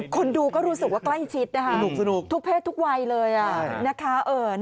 คนดูก็รู้สึกว่าใกล้ชิดนะคะสนุกทุกเพศทุกวัยเลยนะคะ